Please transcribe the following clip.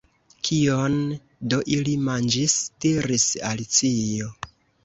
"Kion do ili manĝis?" diris Alicio.